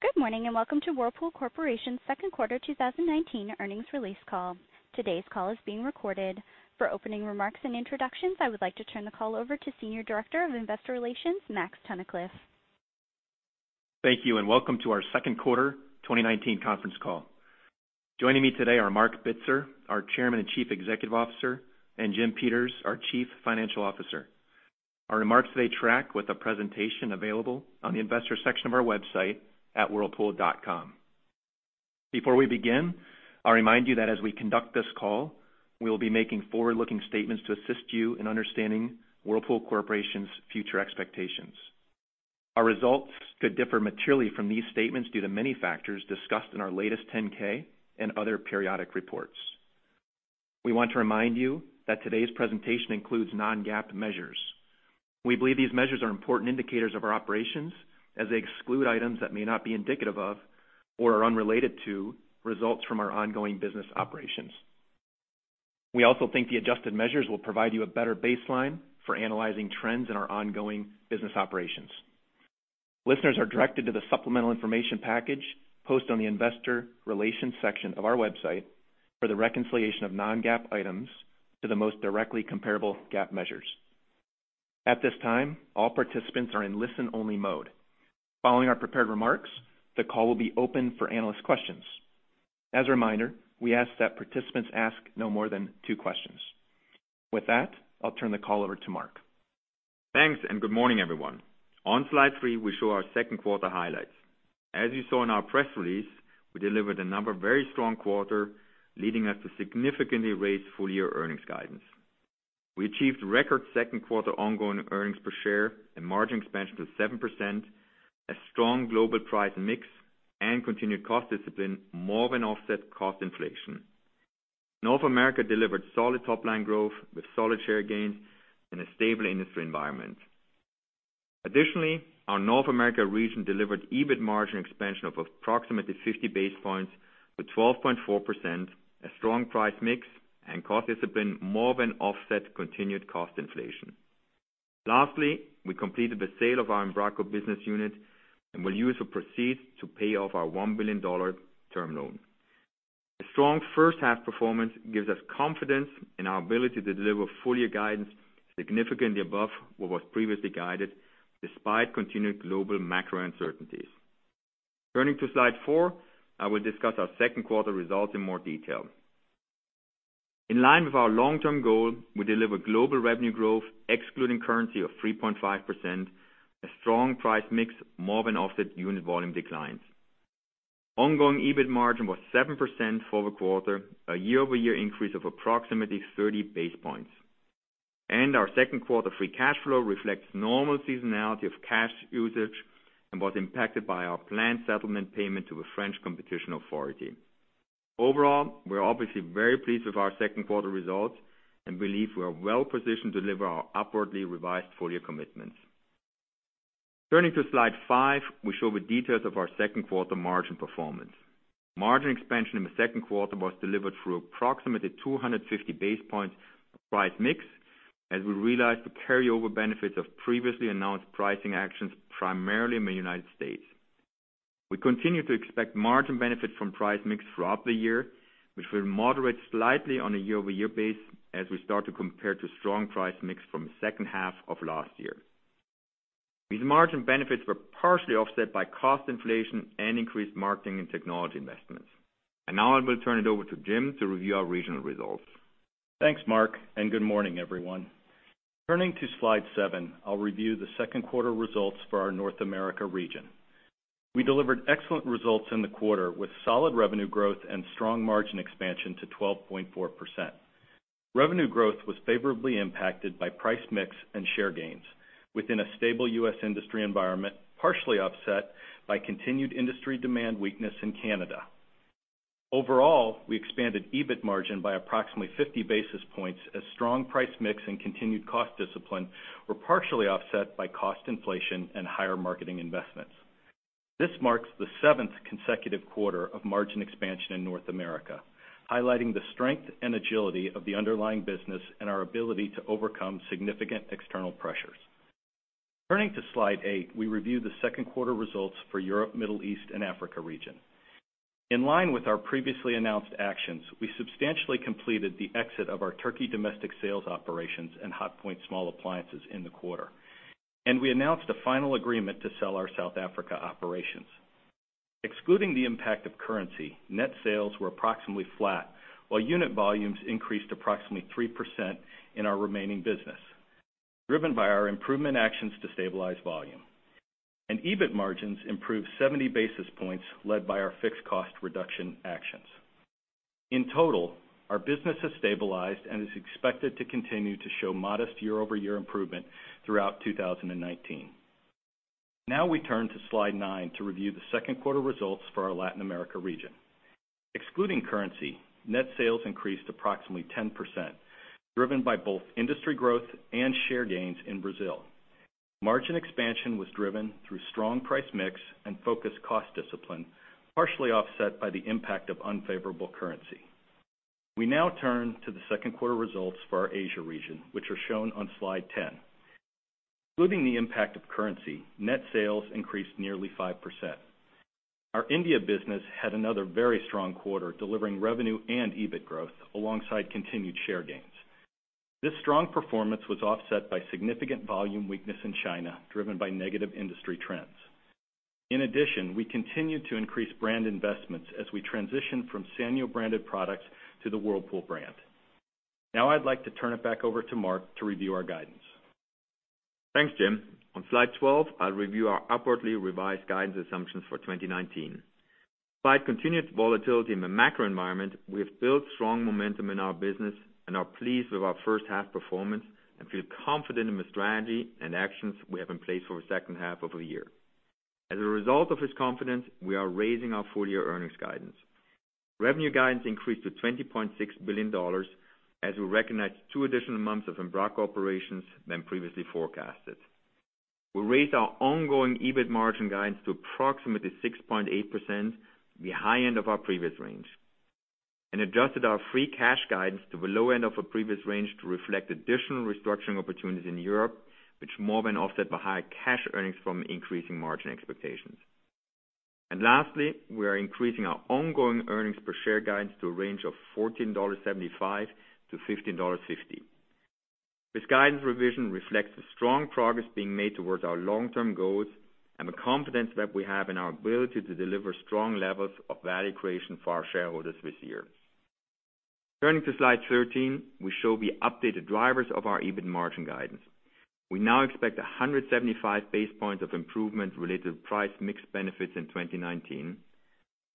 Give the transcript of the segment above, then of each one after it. Good morning, and welcome to Whirlpool Corporation's second quarter 2019 earnings release call. Today's call is being recorded. For opening remarks and introductions, I would like to turn the call over to Senior Director of Investor Relations, Max Tunnicliff. Thank you. Welcome to our second quarter 2019 conference call. Joining me today are Marc Bitzer, our Chairman and Chief Executive Officer, and Jim Peters, our Chief Financial Officer. Our remarks today track with a presentation available on the investor section of our website at whirlpool.com. Before we begin, I'll remind you that as we conduct this call, we will be making forward-looking statements to assist you in understanding Whirlpool Corporation's future expectations. Our results could differ materially from these statements due to many factors discussed in our latest 10-K and other periodic reports. We want to remind you that today's presentation includes non-GAAP measures. We believe these measures are important indicators of our operations, as they exclude items that may not be indicative of or are unrelated to results from our ongoing business operations. We also think the adjusted measures will provide you a better baseline for analyzing trends in our ongoing business operations. Listeners are directed to the supplemental information package posted on the investor relations section of our website for the reconciliation of non-GAAP items to the most directly comparable GAAP measures. At this time, all participants are in listen-only mode. Following our prepared remarks, the call will be open for analyst questions. As a reminder, we ask that participants ask no more than two questions. With that, I'll turn the call over to Marc. Thanks, good morning, everyone. On slide three, we show our second quarter highlights. As you saw in our press release, we delivered another very strong quarter, leading us to significantly raise full-year earnings guidance. We achieved record second quarter ongoing earnings per share and margin expansion to 7%, as strong global price mix and continued cost discipline more than offset cost inflation. North America delivered solid top-line growth with solid share gains in a stable industry environment. Our North America region delivered EBIT margin expansion of approximately 50 basis points to 12.4%, as strong price mix and cost discipline more than offset continued cost inflation. We completed the sale of our Embraco business unit and will use the proceeds to pay off our $1 billion term loan. A strong first half performance gives us confidence in our ability to deliver full-year guidance significantly above what was previously guided, despite continued global macro uncertainties. Turning to slide four, I will discuss our second quarter results in more detail. In line with our long-term goal, we delivered global revenue growth excluding currency of 3.5%. A strong price mix more than offset unit volume declines. Ongoing EBIT margin was 7% for the quarter, a year-over-year increase of approximately 30 base points. Our second quarter free cash flow reflects normal seasonality of cash usage and was impacted by our planned settlement payment to a French Competition Authority. Overall, we are obviously very pleased with our second quarter results and believe we are well-positioned to deliver our upwardly revised full-year commitments. Turning to slide five, we show the details of our second quarter margin performance. Margin expansion in the second quarter was delivered through approximately 250 basis points of price mix, as we realized the carry-over benefits of previously announced pricing actions, primarily in the United States. We continue to expect margin benefits from price mix throughout the year, which will moderate slightly on a year-over-year basis as we start to compare to strong price mix from the second half of last year. These margin benefits were partially offset by cost inflation and increased marketing and technology investments. Now I will turn it over to Jim to review our regional results. Thanks, Marc, and good morning, everyone. Turning to slide seven, I'll review the second quarter results for our North America region. We delivered excellent results in the quarter with solid revenue growth and strong margin expansion to 12.4%. Revenue growth was favorably impacted by price mix and share gains within a stable U.S. industry environment, partially offset by continued industry demand weakness in Canada. Overall, we expanded EBIT margin by approximately 50 basis points as strong price mix and continued cost discipline were partially offset by cost inflation and higher marketing investments. This marks the seventh consecutive quarter of margin expansion in North America, highlighting the strength and agility of the underlying business and our ability to overcome significant external pressures. Turning to slide eight, we review the second quarter results for Europe, Middle East, and Africa region. In line with our previously announced actions, we substantially completed the exit of our Turkey domestic sales operations and Hotpoint small appliances in the quarter, and we announced the final agreement to sell our South Africa operations. Excluding the impact of currency, net sales were approximately flat while unit volumes increased approximately 3% in our remaining business, driven by our improvement actions to stabilize volume. EBIT margins improved 70 basis points, led by our fixed cost reduction actions. In total, our business has stabilized and is expected to continue to show modest year-over-year improvement throughout 2019. Now we turn to slide nine to review the second quarter results for our Latin America region. Excluding currency, net sales increased approximately 10%, driven by both industry growth and share gains in Brazil. Margin expansion was driven through strong price mix and focused cost discipline, partially offset by the impact of unfavorable currency. We now turn to the second quarter results for our Asia region, which are shown on slide 10. Including the impact of currency, net sales increased nearly 5%. Our India business had another very strong quarter, delivering revenue and EBIT growth alongside continued share gains. This strong performance was offset by significant volume weakness in China, driven by negative industry trends. We continued to increase brand investments as we transition from Sanyo-branded products to the Whirlpool brand. I'd like to turn it back over to Marc to review our guidance. Thanks, Jim. On slide 12, I'll review our upwardly revised guidance assumptions for 2019. Despite continued volatility in the macro environment, we have built strong momentum in our business and are pleased with our first half performance and feel confident in the strategy and actions we have in place for the second half of the year. As a result of this confidence, we are raising our full-year earnings guidance. Revenue guidance increased to $20.6 billion as we recognized two additional months of Embraco operations than previously forecasted. We raised our ongoing EBIT margin guidance to approximately 6.8%, the high end of our previous range, and adjusted our free cash guidance to the low end of our previous range to reflect additional restructuring opportunities in Europe, which more than offset the higher cash earnings from increasing margin expectations. Lastly, we are increasing our ongoing earnings per share guidance to a range of $14.75-$15.50. This guidance revision reflects the strong progress being made towards our long-term goals and the confidence that we have in our ability to deliver strong levels of value creation for our shareholders this year. Turning to slide 13, we show the updated drivers of our EBIT margin guidance. We now expect 175 base points of improvement related to price mix benefits in 2019.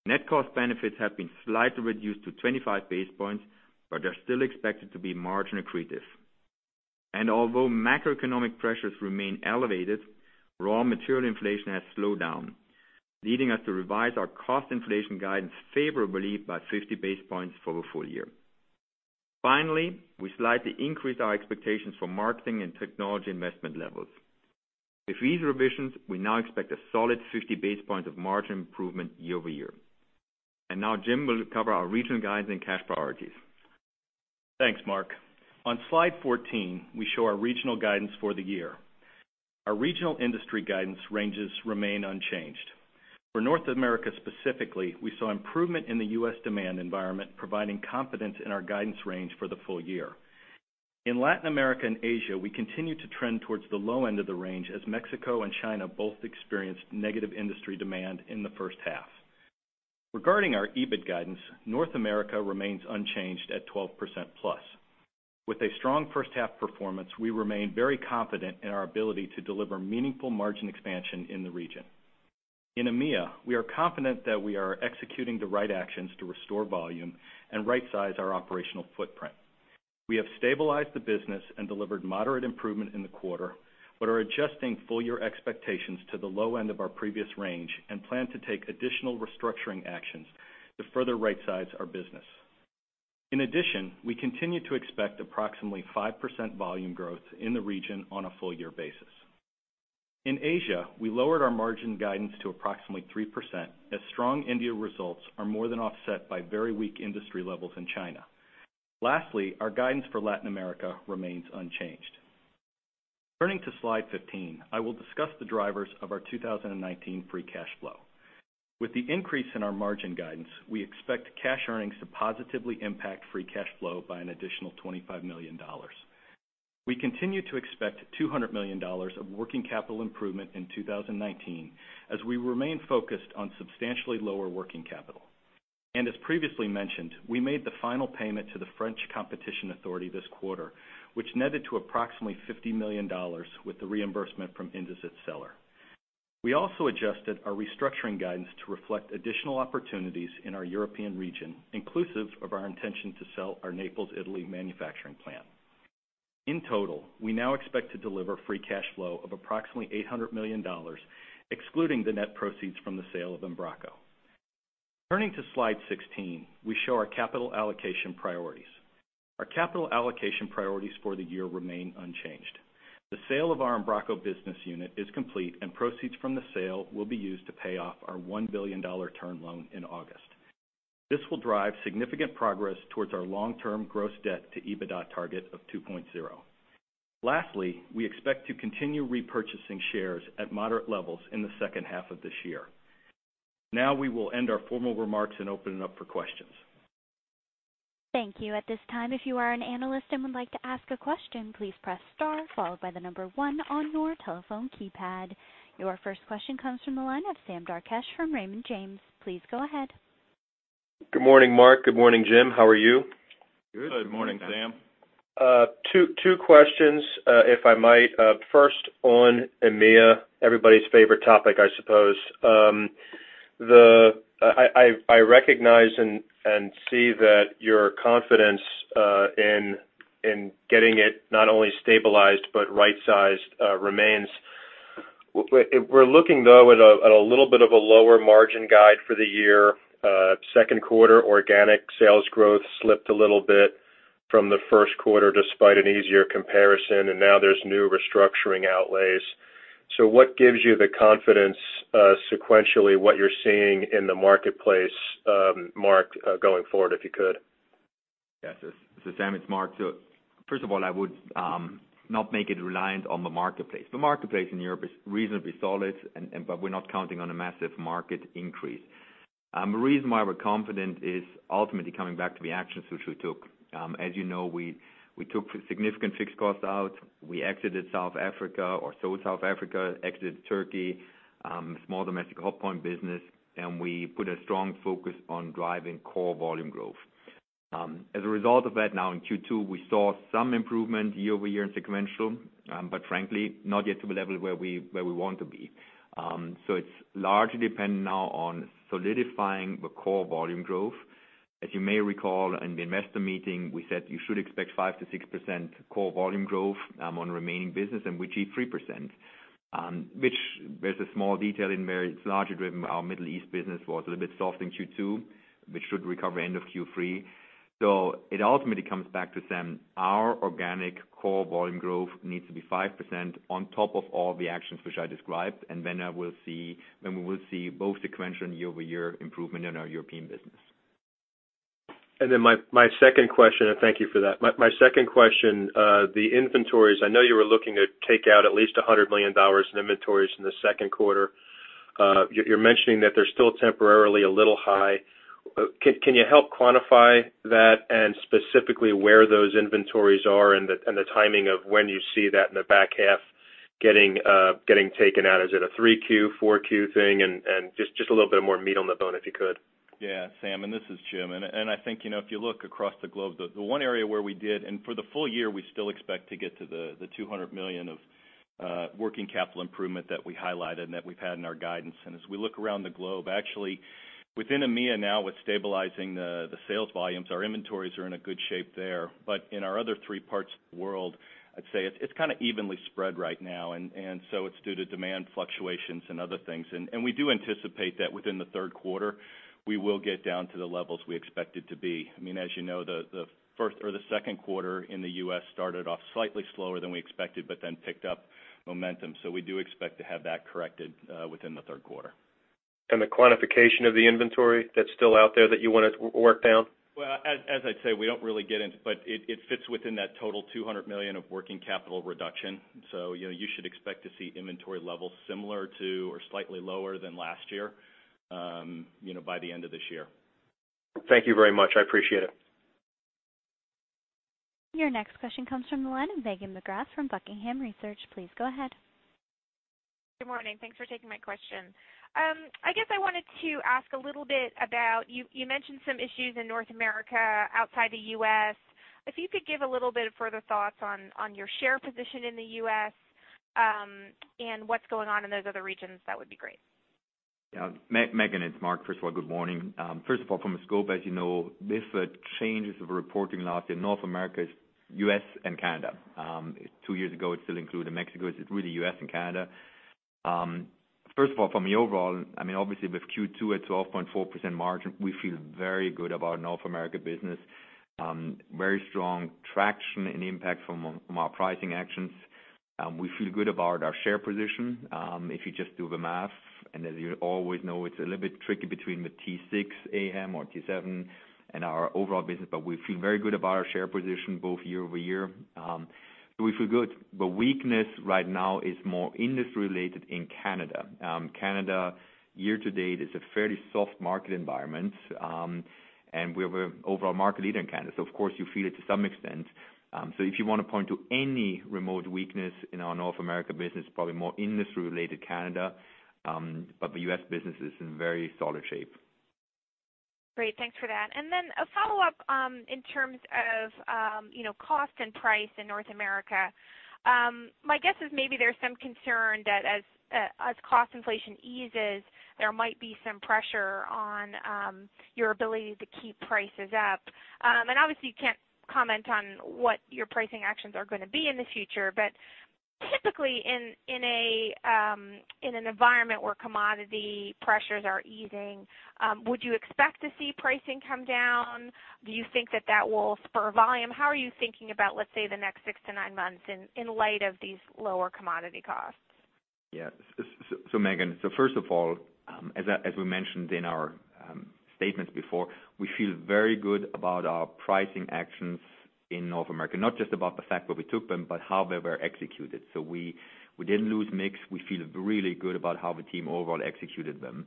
Net cost benefits have been slightly reduced to 25 base points, but are still expected to be margin accretive. Although macroeconomic pressures remain elevated, raw material inflation has slowed down, leading us to revise our cost inflation guidance favorably by 50 base points for the full year. Finally, we slightly increased our expectations for marketing and technology investment levels. With these revisions, we now expect a solid 50 basis points of margin improvement year-over-year. Now Jim will cover our regional guidance and cash priorities. Thanks, Marc. On slide 14, we show our regional guidance for the year. Our regional industry guidance ranges remain unchanged. For North America specifically, we saw improvement in the U.S. demand environment, providing confidence in our guidance range for the full year. In Latin America and Asia, we continue to trend towards the low end of the range, as Mexico and China both experienced negative industry demand in the first half. Regarding our EBIT guidance, North America remains unchanged at 12% plus. With a strong first half performance, we remain very confident in our ability to deliver meaningful margin expansion in the region. In EMEA, we are confident that we are executing the right actions to restore volume and rightsize our operational footprint. We have stabilized the business and delivered moderate improvement in the quarter but are adjusting full-year expectations to the low end of our previous range and plan to take additional restructuring actions to further rightsize our business. In addition, we continue to expect approximately 5% volume growth in the region on a full-year basis. In Asia, we lowered our margin guidance to approximately 3%, as strong India results are more than offset by very weak industry levels in China. Lastly, our guidance for Latin America remains unchanged. Turning to slide 15, I will discuss the drivers of our 2019 free cash flow. With the increase in our margin guidance, we expect cash earnings to positively impact free cash flow by an additional $25 million. We continue to expect $200 million of working capital improvement in 2019, as we remain focused on substantially lower working capital. As previously mentioned, we made the final payment to the French Competition Authority this quarter, which netted to approximately $50 million with the reimbursement from Indesit's seller. We also adjusted our restructuring guidance to reflect additional opportunities in our European region, inclusive of our intention to sell our Naples, Italy, manufacturing plant. In total, we now expect to deliver free cash flow of approximately $800 million, excluding the net proceeds from the sale of Embraco. Turning to slide 16, we show our capital allocation priorities. Our capital allocation priorities for the year remain unchanged. The sale of our Embraco business unit is complete, and proceeds from the sale will be used to pay off our $1 billion term loan in August. This will drive significant progress towards our long-term gross debt to EBITDA target of 2.0. We expect to continue repurchasing shares at moderate levels in the second half of this year. We will end our formal remarks and open it up for questions. Thank you. At this time, if you are an analyst and would like to ask a question, please press star followed by the number one on your telephone keypad. Your first question comes from the line of Sam Darkatsh from Raymond James. Please go ahead. Good morning, Marc. Good morning, Jim. How are you? Good. Good morning, Sam. Two questions, if I might. First, on EMEA, everybody's favorite topic, I suppose. I recognize and see that your confidence, in getting it not only stabilized but rightsized, remains. We're looking, though, at a little bit of a lower margin guide for the year. Second quarter organic sales growth slipped a little bit from the first quarter despite an easier comparison, and now there's new restructuring outlays. What gives you the confidence sequentially, what you're seeing in the marketplace, Marc, going forward, if you could? Yes. Sam, it's Marc. First of all, I would not make it reliant on the marketplace. The marketplace in Europe is reasonably solid, but we're not counting on a massive market increase. The reason why we're confident is ultimately coming back to the actions which we took. As you know, we took significant fixed costs out. We exited South Africa or sold South Africa, exited Turkey, small domestic Hotpoint business, and we put a strong focus on driving core volume growth. As a result of that, now in Q2, we saw some improvement year-over-year and sequential, but frankly, not yet to the level where we want to be. It's largely dependent now on solidifying the core volume growth. As you may recall, in the investor meeting, we said you should expect 5%-6% core volume growth on remaining business, and we achieved 3%. There's a small detail in there. It's largely driven by our Middle East business was a little bit soft in Q2, which should recover end of Q3. It ultimately comes back to, Sam, our organic core volume growth needs to be 5% on top of all the actions which I described, and then we will see both sequential and year-over-year improvement in our European business. My second question, and thank you for that. My second question, the inventories, I know you were looking to take out at least $100 million in inventories in the second quarter. You're mentioning that they're still temporarily a little high. Can you help quantify that and specifically where those inventories are and the timing of when you see that in the back half getting taken out? Is it a 3Q, 4Q thing? Just a little bit more meat on the bone, if you could. Yeah, Sam, this is Jim. I think, if you look across the globe, the one area where we did, and for the full year, we still expect to get to the $200 million of working capital improvement that we highlighted and that we've had in our guidance. As we look around the globe, actually within EMEA now with stabilizing the sales volumes, our inventories are in a good shape there. In our other three parts of the world, I'd say it's kind of evenly spread right now, it's due to demand fluctuations and other things. We do anticipate that within the third quarter, we will get down to the levels we expect it to be. You know, the second quarter in the U.S. started off slightly slower than we expected, but then picked up momentum, so we do expect to have that corrected within the third quarter. The quantification of the inventory that's still out there that you want to work down? Well, as I'd say, it fits within that total $200 million of working capital reduction. You should expect to see inventory levels similar to or slightly lower than last year by the end of this year. Thank you very much. I appreciate it. Your next question comes from the line of Megan McGrath from Buckingham Research. Please go ahead. Good morning. Thanks for taking my question. I guess I wanted to ask a little bit about, you mentioned some issues in North America outside the U.S. If you could give a little bit of further thoughts on your share position in the U.S., and what's going on in those other regions, that would be great. Yeah. Megan, it's Marc. First of all, good morning. From a scope, as you know, this changes of reporting last year, North America is U.S. and Canada. Two years ago, it still included Mexico. It's really U.S. and Canada. From the overall, obviously with Q2 at 12.4% margin, we feel very good about North America business. Very strong traction and impact from our pricing actions. We feel good about our share position. If you just do the math, as you always know, it's a little bit tricky between the T6 AM or T7 and our overall business, we feel very good about our share position both year-over-year. We feel good. The weakness right now is more industry-related in Canada. Canada, year to date, is a fairly soft market environment, and we're overall market leader in Canada, so of course, you feel it to some extent. If you want to point to any remote weakness in our North America business, probably more industry-related Canada, but the U.S. business is in very solid shape. Great. Thanks for that. Then a follow-up in terms of cost and price in North America. My guess is maybe there's some concern that as cost inflation eases, there might be some pressure on your ability to keep prices up. Obviously, you can't comment on what your pricing actions are going to be in the future, but typically in an environment where commodity pressures are easing, would you expect to see pricing come down? Do you think that that will spur volume? How are you thinking about, let's say, the next six to nine months in light of these lower commodity costs? Yeah. Megan, first of all, as we mentioned in our statements before, we feel very good about our pricing actions in North America, not just about the fact that we took them, but how they were executed. We didn't lose mix. We feel really good about how the team overall executed them.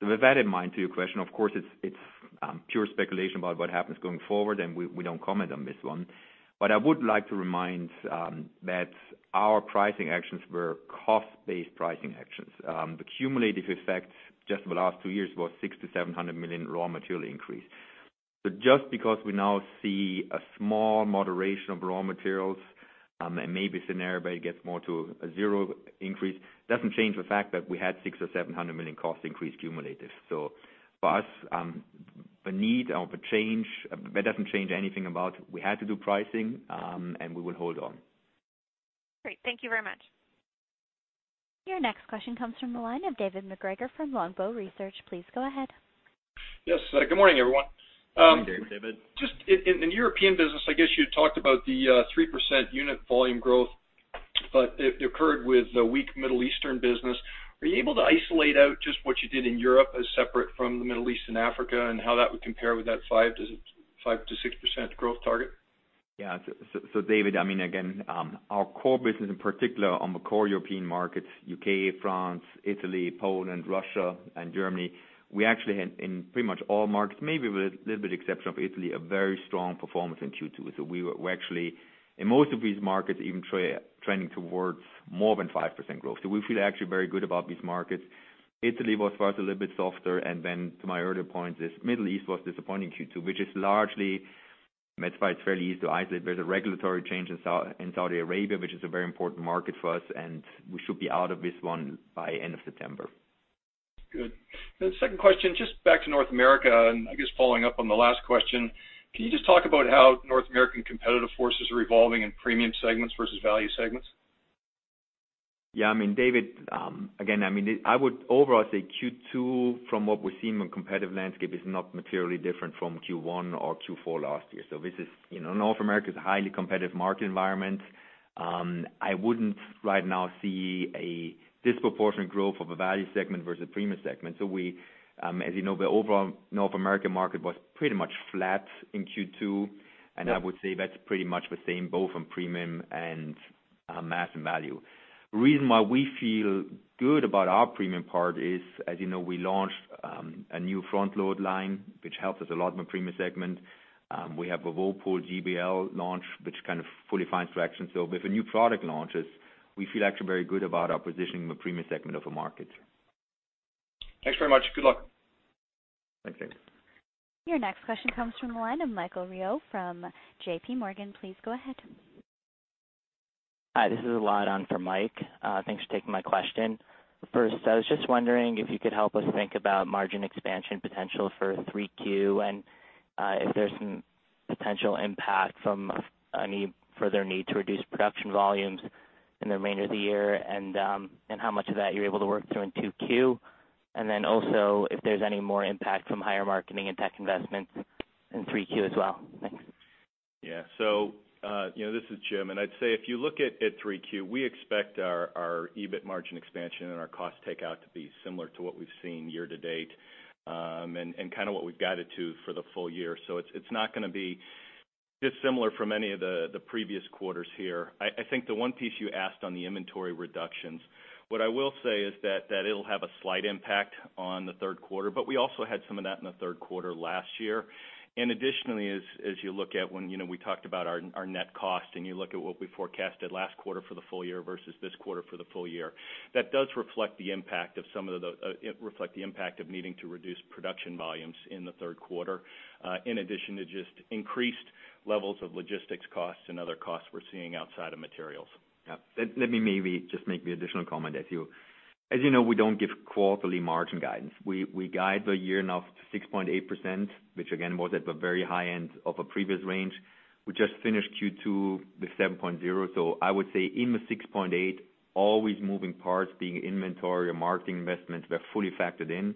With that in mind, to your question, of course, it's pure speculation about what happens going forward, and we don't comment on this one. I would like to remind that our pricing actions were cost-based pricing actions. The cumulative effect just in the last two years was $600 million-$700 million raw material increase. Just because we now see a small moderation of raw materials, and maybe scenario gets more to a zero increase, doesn't change the fact that we had $600 million or $700 million cost increase cumulative. For us, the need or the change, that doesn't change anything about we had to do pricing, and we will hold on. Great. Thank you very much. Your next question comes from the line of David MacGregor from Longbow Research. Please go ahead. Yes. Good morning, everyone. Good morning, David. Just in the European business, I guess you had talked about the 3% unit volume growth. It occurred with the weak Middle Eastern business. Were you able to isolate out just what you did in Europe as separate from the Middle East and Africa, and how that would compare with that 5%-6% growth target? Yeah. David, again, our core business, in particular on the core European markets, U.K., France, Italy, Poland, Russia, and Germany, we actually had in pretty much all markets, maybe with a little bit exception of Italy, a very strong performance in Q2. We're actually, in most of these markets, even trending towards more than 5% growth. We feel actually very good about these markets. Italy was for us a little bit softer, to my earlier point, this Middle East was disappointing Q2, which is largely, that's why it's fairly easy to isolate. There's a regulatory change in Saudi Arabia, which is a very important market for us, we should be out of this one by end of September. Good. The second question, just back to North America, and I guess following up on the last question, can you just talk about how North American competitive forces are evolving in premium segments versus value segments? David, again, I would overall say Q2, from what we see in the competitive landscape, is not materially different from Q1 or Q4 last year. North America is a highly competitive market environment. I wouldn't right now see a disproportionate growth of a value segment versus premium segment. We, as you know, the overall North American market was pretty much flat in Q2, and I would say that's pretty much the same, both in premium and mass and value. The reason why we feel good about our premium part is, as you know, we launched a new front load line, which helps us a lot in the premium segment. We have a Whirlpool GBL launch, which kind of fully finds traction. With the new product launches, we feel actually very good about our positioning in the premium segment of the market. Thanks very much. Good luck. Thanks, David. Your next question comes from the line of Michael Rehaut from JPMorgan. Please go ahead. Hi. This is Ladan for Mike. Thanks for taking my question. I was just wondering if you could help us think about margin expansion potential for 3Q and if there's some potential impact from any further need to reduce production volumes in the remainder of the year and how much of that you're able to work through in 2Q. If there's any more impact from higher marketing and tech investments in 3Q as well. Thanks. Yeah. This is Jim. And I'd say if you look at 3Q, we expect our EBIT margin expansion and our cost takeout to be similar to what we've seen year to date, and what we've guided to for the full year. It's not going to be dissimilar from any of the previous quarters here. I think the one piece you asked on the inventory reductions, what I will say is that it'll have a slight impact on the third quarter, but we also had some of that in the third quarter last year. Additionally, as you look at when we talked about our net cost and you look at what we forecasted last quarter for the full year versus this quarter for the full year, that does reflect the impact of needing to reduce production volumes in the third quarter, in addition to just increased levels of logistics costs and other costs we're seeing outside of materials. Yeah. Let me maybe just make the additional comment. As you know, we don't give quarterly margin guidance. We guide the year now up to 6.8%, which again, was at the very high end of a previous range. We just finished Q2 with 7.0%. I would say in the 6.8%, always moving parts, be it inventory or marketing investments, were fully factored in.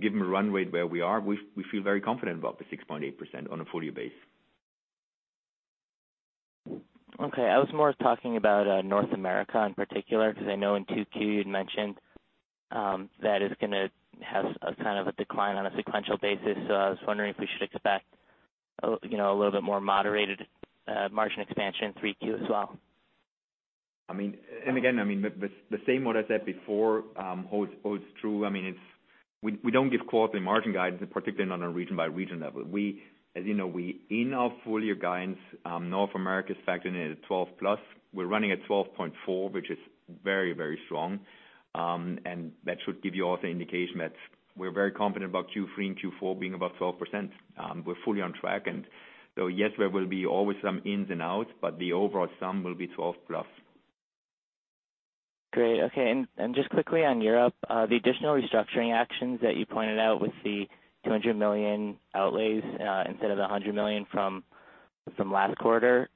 Given the run rate where we are, we feel very confident about the 6.8% on a full-year basis. Okay. I was more talking about North America in particular, because I know in 2Q, you'd mentioned that it's going to have a decline on a sequential basis. I was wondering if we should expect a little bit more moderated margin expansion in 3Q as well. Again, the same what I said before holds true. We don't give quarterly margin guidance, and particularly not on a region-by-region level. As you know, in our full-year guidance, North America is factored in at 12 plus. We're running at 12.4, which is very strong. That should give you also indication that we're very confident about Q3 and Q4 being above 12%. We're fully on track. Yes, there will be always some ins and outs, but the overall sum will be 12 plus. Great. Okay. Just quickly on Europe, the additional restructuring actions that you pointed out with the $200 million outlays instead of the $100 million from last quarter.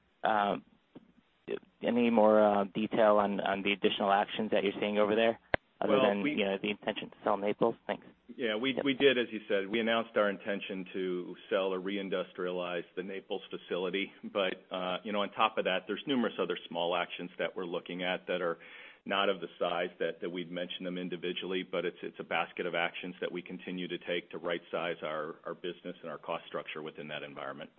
Any more detail on the additional actions that you're seeing over there other than the intention to sell Naples? Thanks. Yeah. We did, as you said, we announced our intention to sell or reindustrialize the Naples facility. On top of that, there's numerous other small actions that we're looking at that are not of the size that we'd mention them individually, but it's a basket of actions that we continue to take to right size our business and our cost structure within that environment.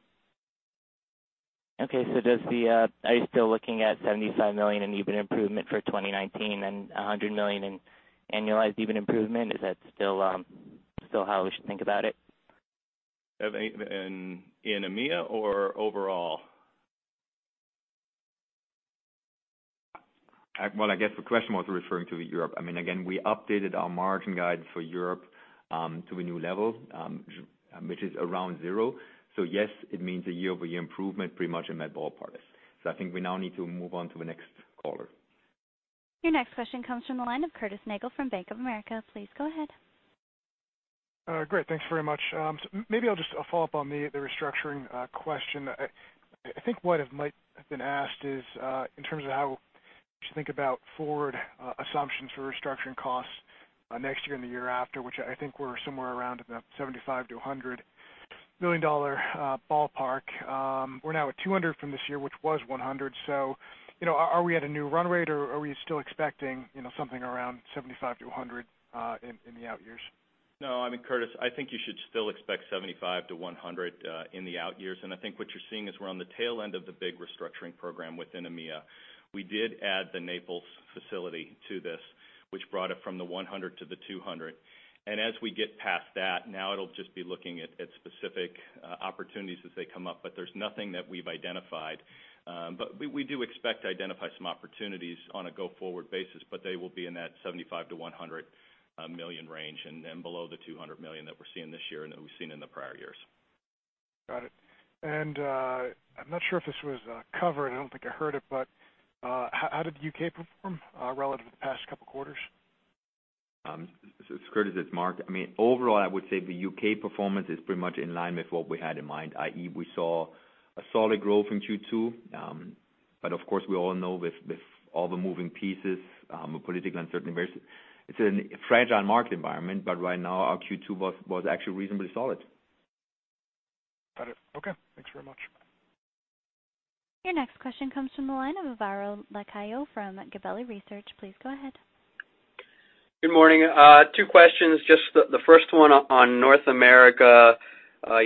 Okay. Are you still looking at $75 million in EBIT improvement for 2019 and $100 million in annualized EBIT improvement? Is that still how we should think about it? In EMEA or overall? Well, I guess the question was referring to Europe. We updated our margin guide for Europe to a new level, which is around 0. Yes, it means a year-over-year improvement pretty much in that ballpark. I think we now need to move on to the next caller. Your next question comes from the line of Curtis Nagle from Bank of America. Please go ahead. Great. Thanks very much. Maybe I'll just follow up on the restructuring question. I think what might have been asked is in terms of how to think about forward assumptions for restructuring costs next year and the year after, which I think we're somewhere around in that $75 million-$100 million ballpark. We're now at $200 million from this year, which was $100 million. Are we at a new run rate, or are we still expecting something around $75 million-$100 million in the out years? Curtis, I think you should still expect $75 million-$100 million, in the out years. I think what you're seeing is we're on the tail end of the big restructuring program within EMEA. We did add the Naples facility to this, which brought it from the $100 million to the $200 million. As we get past that, now it'll just be looking at specific opportunities as they come up. There's nothing that we've identified. We do expect to identify some opportunities on a go-forward basis, but they will be in that $75 million-$100 million range and below the $200 million that we're seeing this year and that we've seen in the prior years. Got it. I'm not sure if this was covered, and I don't think I heard it, but how did the U.K. perform relative to the past couple of quarters? Curtis, it's Marc. Overall, I would say the U.K. performance is pretty much in line with what we had in mind, i.e., we saw a solid growth in Q2. Of course, we all know with all the moving pieces, political uncertainty, it's a fragile market environment. Right now, our Q2 was actually reasonably solid. Got it. Okay, thanks very much. Your next question comes from the line of Alvaro Lacayo from Gabelli & Co. Please go ahead. Good morning. 2 questions. Just the first one on North America. I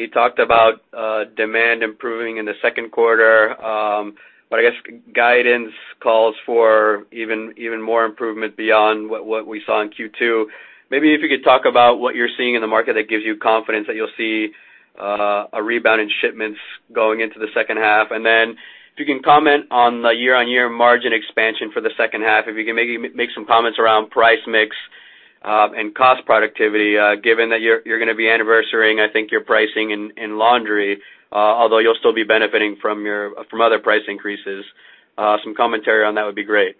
guess guidance calls for even more improvement beyond what we saw in Q2. Maybe if you could talk about what you're seeing in the market that gives you confidence that you'll see a rebound in shipments going into the second half. If you can comment on the year-on-year margin expansion for the second half, if you can maybe make some comments around price mix, and cost productivity, given that you're going to be anniversarying, I think your pricing in laundry, although you'll still be benefiting from other price increases. Some commentary on that would be great.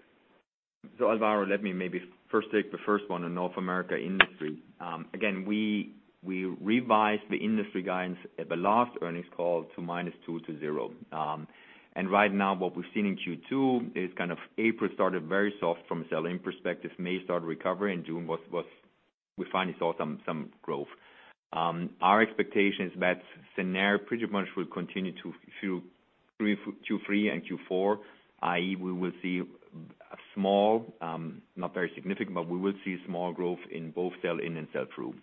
Alvaro, let me maybe first take the first one on North America industry. Again, we revised the industry guidance at the last earnings call to minus two to zero. Right now, what we've seen in Q2 is kind of April started very soft from a sell-in perspective. May started recovery, June we finally saw some growth. Our expectation is that scenario pretty much will continue through Q3 and Q4, i.e., we will see a small, not very significant, but we will see small growth in both sell-in and sell-through.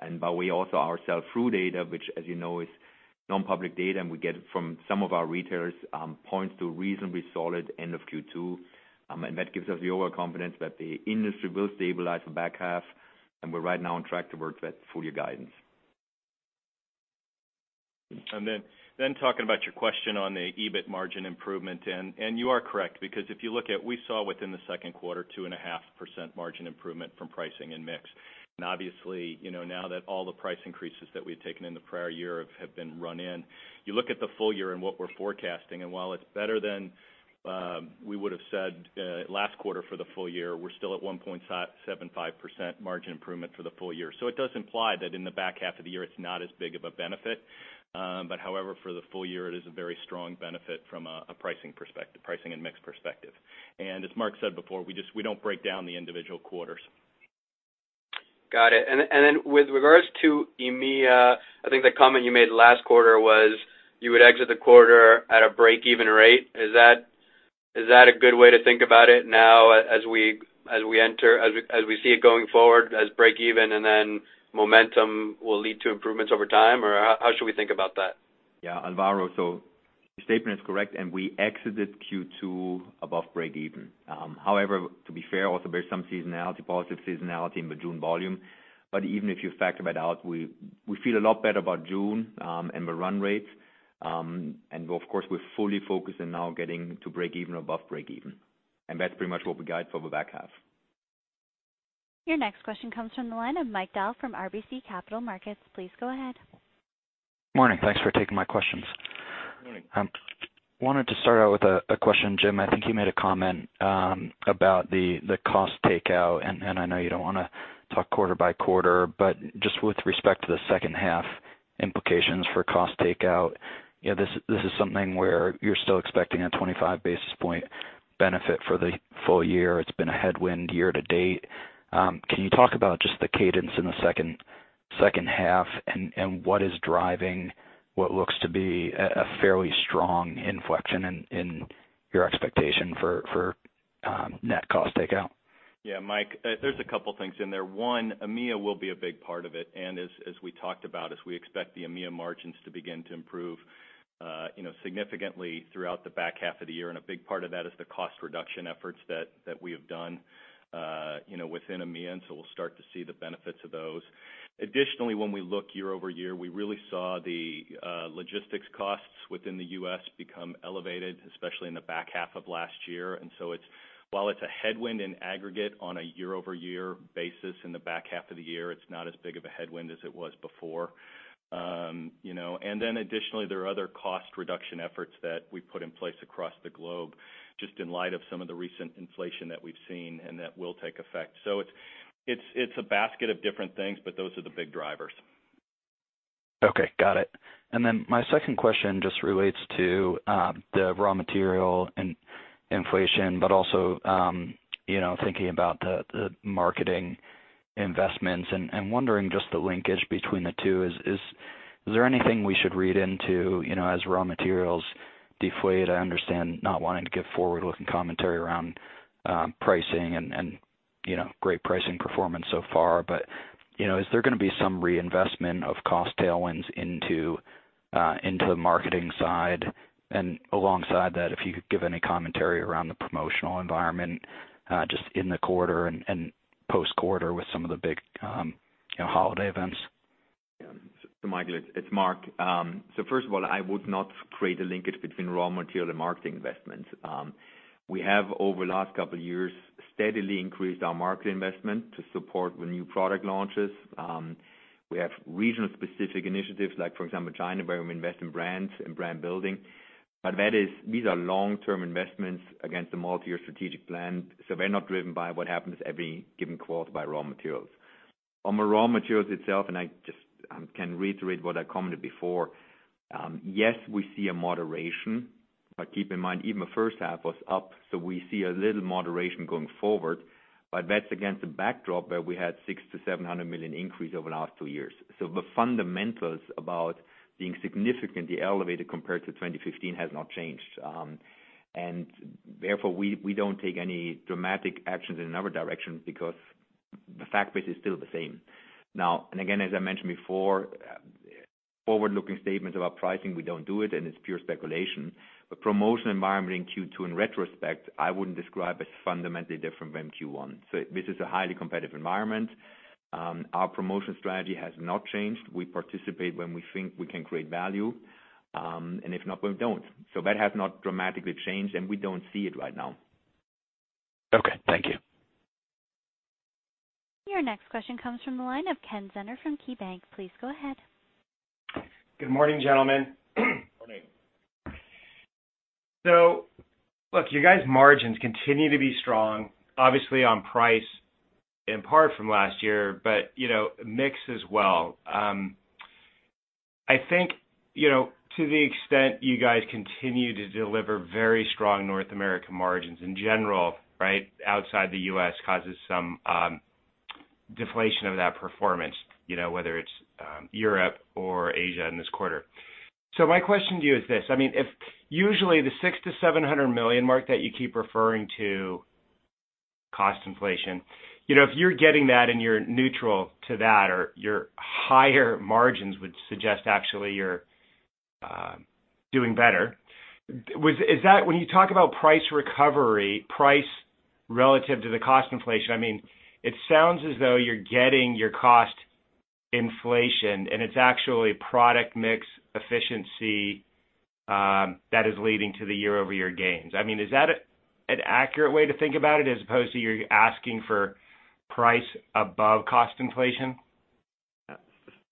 By the way also our sell-through data, which as you know, is non-public data, and we get it from some of our retailers, points to reasonably solid end of Q2. That gives us the overall confidence that the industry will stabilize the back half. We're right now on track to work that full year guidance. talking about your question on the EBIT margin improvement, you are correct, because we saw within the second quarter 2.5% margin improvement from pricing and mix. Obviously, now that all the price increases that we had taken in the prior year have been run in, you look at the full year and what we're forecasting, while it's better than we would have said last quarter for the full year, we're still at 1.75% margin improvement for the full year. It does imply that in the back half of the year, it's not as big of a benefit. However, for the full year, it is a very strong benefit from a pricing and mix perspective. As Marc said before, we don't break down the individual quarters. Got it. With regards to EMEA, I think the comment you made last quarter was you would exit the quarter at a break-even rate. Is that a good way to think about it now as we see it going forward as break-even and then momentum will lead to improvements over time? How should we think about that? Yeah, Alvaro. Your statement is correct, and we exited Q2 above break even. However, to be fair, also there's some seasonality, positive seasonality in the June volume. Even if you factor that out, we feel a lot better about June, and the run rates. Of course, we're fully focused on now getting to break even above break even, and that's pretty much what we guide for the back half. Your next question comes from the line of Mike Dahl from RBC Capital Markets. Please go ahead. Morning. Thanks for taking my questions. Morning. Wanted to start out with a question. Jim, I think you made a comment about the cost takeout, and I know you don't want to talk quarter by quarter, but just with respect to the second half implications for cost takeout, this is something where you're still expecting a 25 basis point benefit for the full year. It's been a headwind year to date. Can you talk about just the cadence in the second half, and what is driving what looks to be a fairly strong inflection in your expectation for net cost takeout? Yeah, Mike, there's a couple things in there. One, EMEA will be a big part of it, and as we talked about, as we expect the EMEA margins to begin to improve significantly throughout the back half of the year, and a big part of that is the cost reduction efforts that we have done within EMEA, and so we'll start to see the benefits of those. Additionally, when we look year-over-year, we really saw the logistics costs within the U.S. become elevated, especially in the back half of last year. So while it's a headwind in aggregate on a year-over-year basis in the back half of the year, it's not as big of a headwind as it was before. Additionally, there are other cost reduction efforts that we put in place across the globe just in light of some of the recent inflation that we've seen and that will take effect. It's a basket of different things, but those are the big drivers. Okay, got it. Then my second question just relates to the raw material and inflation, but also thinking about the marketing investments and wondering just the linkage between the two. Is there anything we should read into as raw materials deflate? I understand not wanting to give forward-looking commentary around pricing and great pricing performance so far, is there going to be some reinvestment of cost tailwinds into the marketing side? Alongside that, if you could give any commentary around the promotional environment just in the quarter and post-quarter with some of the big holiday events. Michael, it's Marc. First of all, I would not create a linkage between raw material and marketing investments. We have, over the last couple of years, steadily increased our marketing investment to support the new product launches. We have regional specific initiatives, like for example, China, where we invest in brands and brand building. These are long-term investments against a multi-year strategic plan. They're not driven by what happens every given quarter by raw materials. On the raw materials itself, I just can reiterate what I commented before, yes, we see a moderation, but keep in mind, even the first half was up, so we see a little moderation going forward. That's against the backdrop where we had $600 million-$700 million increase over the last two years. The fundamentals about being significantly elevated compared to 2015 has not changed. Therefore, we don't take any dramatic actions in another direction because the fact base is still the same. Again, as I mentioned before, forward-looking statements about pricing, we don't do it and it's pure speculation. The promotion environment in Q2, in retrospect, I wouldn't describe as fundamentally different than Q1. This is a highly competitive environment. Our promotion strategy has not changed. We participate when we think we can create value, and if not, we don't. That has not dramatically changed, and we don't see it right now. Okay, thank you. Your next question comes from the line of Ken Zener from KeyBanc. Please go ahead. Good morning, gentlemen. Morning. Look, your guys' margins continue to be strong, obviously on price in part from last year, but mix as well. I think to the extent you guys continue to deliver very strong North American margins in general, right, outside the U.S. causes some deflation of that performance whether it's Europe or Asia in this quarter. My question to you is this: if usually the $600 million-$700 million mark that you keep referring to cost inflation, if you're getting that and you're neutral to that or your higher margins would suggest actually you're doing better. When you talk about price recovery, price relative to the cost inflation, it sounds as though you're getting your cost inflation and it's actually product mix efficiency that is leading to the year-over-year gains. Is that an accurate way to think about it as opposed to you're asking for price above cost inflation?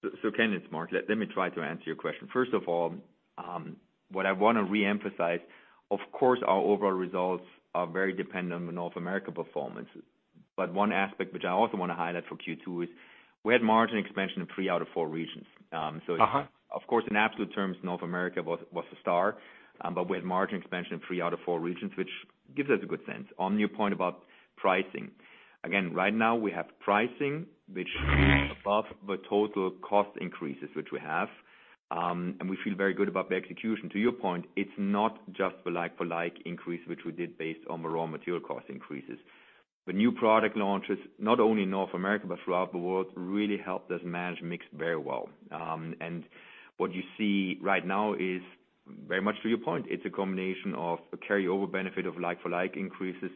Ken, it's Marc. Let me try to answer your question. First of all, what I want to reemphasize, of course, our overall results are very dependent on the North America performance. One aspect which I also want to highlight for Q2 is we had margin expansion in three out of four regions. Of course, in absolute terms, North America was the star. We had margin expansion in three out of four regions, which gives us a good sense. On your point about pricing, again, right now we have pricing which is above the total cost increases, which we have. We feel very good about the execution. To your point, it's not just the like-for-like increase, which we did based on the raw material cost increases. The new product launches, not only in North America, but throughout the world, really helped us manage mix very well. What you see right now is very much to your point, it's a combination of a carryover benefit of like-for-like increases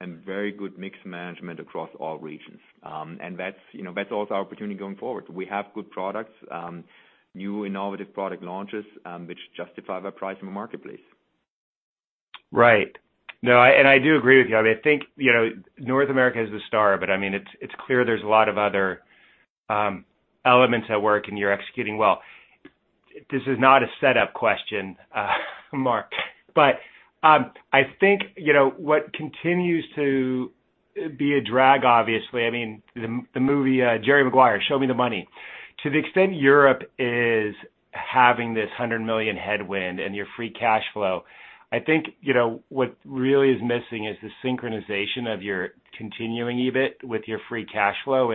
and very good mix management across all regions. That's also our opportunity going forward. We have good products, new innovative product launches, which justify the price in the marketplace. Right. No, and I do agree with you. I think North America is the star, but it's clear there's a lot of other elements at work and you're executing well. This is not a setup question, Marc, but I think what continues to be a drag, obviously, the movie, "Jerry Maguire," "Show me the money." To the extent Europe is having this $100 million headwind and your free cash flow, I think what really is missing is the synchronization of your continuing EBIT with your free cash flow.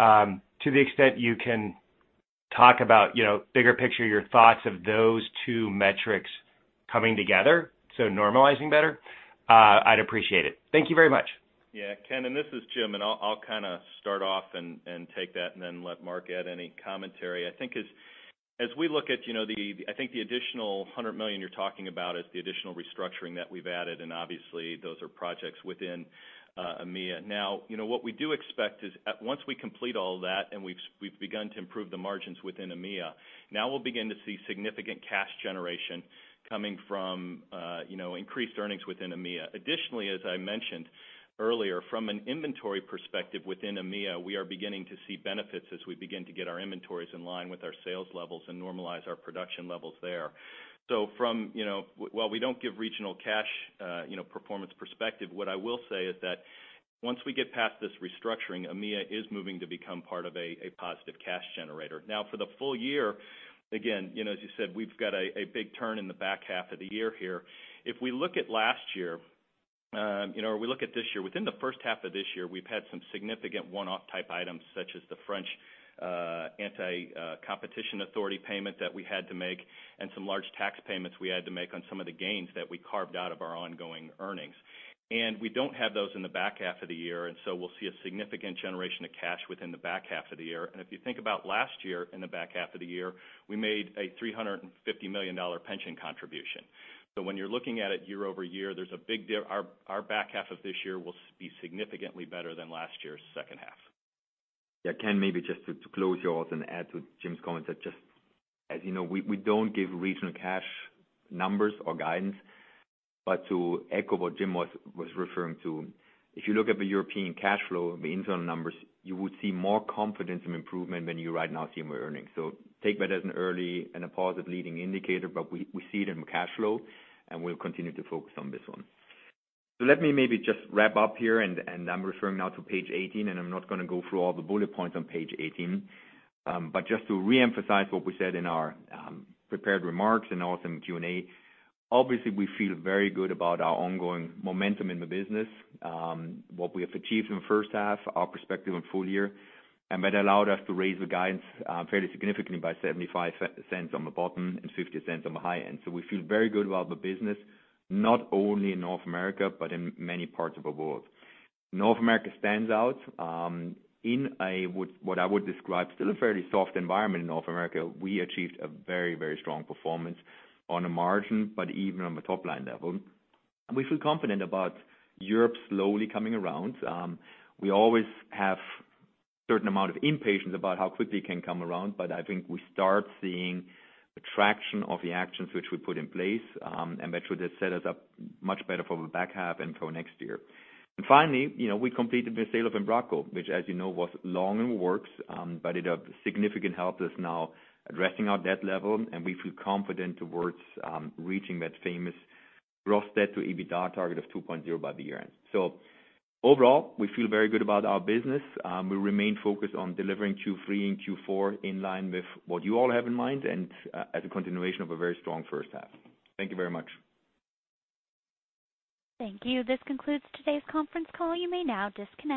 To the extent you can talk about bigger picture, your thoughts of those two metrics coming together, so normalizing better, I'd appreciate it. Thank you very much. Ken, this is Jim, I'll start off and take that and then let Marc add any commentary. I think as we look at the additional $100 million you're talking about is the additional restructuring that we've added, and obviously, those are projects within EMEA. What we do expect is once we complete all that, and we've begun to improve the margins within EMEA, now we'll begin to see significant cash generation coming from increased earnings within EMEA. Additionally, as I mentioned earlier, from an inventory perspective within EMEA, we are beginning to see benefits as we begin to get our inventories in line with our sales levels and normalize our production levels there. While we don't give regional cash performance perspective, what I will say is that Once we get past this restructuring, EMEA is moving to become part of a positive cash generator. For the full year, again, as you said, we've got a big turn in the back half of the year here. If we look at last year, or we look at this year, within the first half of this year, we've had some significant one-off type items, such as the French Competition Authority payment that we had to make, and some large tax payments we had to make on some of the gains that we carved out of our ongoing earnings. We don't have those in the back half of the year, we'll see a significant generation of cash within the back half of the year. If you think about last year in the back half of the year, we made a $350 million pension contribution. When you're looking at it year-over-year, Our back half of this year will be significantly better than last year's second half. Yeah, Ken, maybe just to close yours and add to Jim's comment that just as you know, we don't give regional cash numbers or guidance. To echo what Jim was referring to, if you look at the European cash flow, the internal numbers, you would see more confidence and improvement than you right now see in my earnings. Take that as an early and a positive leading indicator, but we see it in cash flow and we'll continue to focus on this one. Let me maybe just wrap up here and I'm referring now to page 18, and I'm not gonna go through all the bullet points on page 18. Just to reemphasize what we said in our prepared remarks and also in Q&A, obviously we feel very good about our ongoing momentum in the business, what we have achieved in the first half, our perspective on full year, and that allowed us to raise the guidance fairly significantly by $0.75 on the bottom and $0.50 on the high end. We feel very good about the business, not only in North America, but in many parts of the world. North America stands out, in what I would describe still a fairly soft environment in North America. We achieved a very strong performance on a margin, but even on the top-line level. We feel confident about Europe slowly coming around. We always have certain amount of impatience about how quickly it can come around, but I think we start seeing the traction of the actions which we put in place, and that should set us up much better for the back half and for next year. Finally, we completed the sale of Embraco, which as you know, was long in works, but it have significant helped us now addressing our debt level, and we feel confident towards reaching that famous gross debt to EBITDA target of 2.0 by the year-end. Overall, we feel very good about our business. We remain focused on delivering Q3 and Q4 in line with what you all have in mind and as a continuation of a very strong first half. Thank you very much. Thank you. This concludes today's conference call. You may now disconnect.